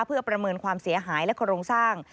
เพื่อประเมินความเสียหายและโครงสร้าง